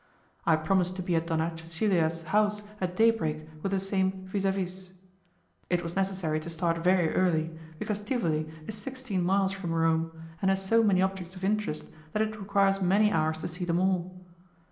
I promised to be at Donna Cecilia's house at day break with the same 'vis a vis'. It was necessary to start very early, because Tivoli is sixteen miles from Rome, and has so many objects of interest that it requires many hours to see them all.